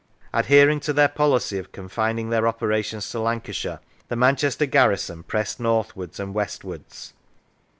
Adhering to their policy of confining their operations to Lancashire, the Manchester garrison pressed north wards and westwards.